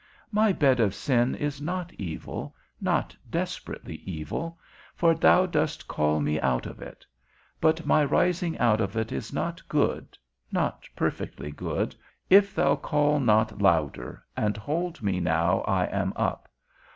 _ My bed of sin is not evil, not desperately evil, for thou dost call me out of it; but my rising out of it is not good (not perfectly good), if thou call not louder, and hold me now I am up.